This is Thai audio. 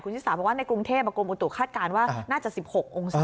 ชิสาบอกว่าในกรุงเทพกรมอุตุคาดการณ์ว่าน่าจะ๑๖องศา